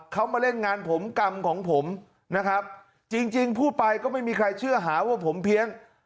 เขามาเล่นงานผมกรรมของผมนะครับจริงพูดไปก็ไม่มีใครเชื่อหาว่าผมเพี้ยน